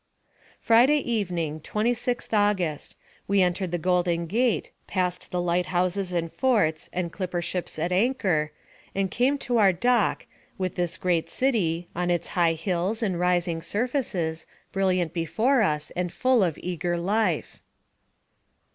Friday evening, 26th August, we entered the Golden Gate, passed the light houses and forts, and clipper ships at anchor, and came to our dock, with this great city, on its high hills and rising surfaces, brilliant before us, and full of eager life.